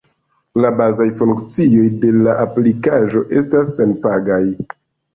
La bazaj funkcioj de la aplikaĵo estas senpagaj.